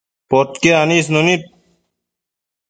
Podquied anisnu nid